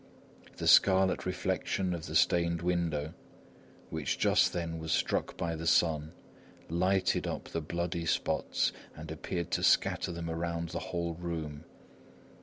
The scarlet reflection of the stained window, which just then was struck by the sun, lighted up the bloody spots and appeared to scatter them around the whole room.